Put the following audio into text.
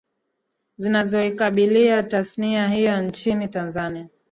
zinazoikabilia tasnia hiyo nchini Tanzania